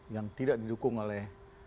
yang tidak didukung oleh